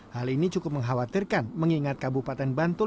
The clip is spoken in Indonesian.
hal ini cukup mengkhawatirkan mengingat kabupaten bantul